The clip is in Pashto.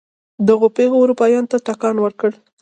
دغو پېښو اروپا ته ټکان ورکړ.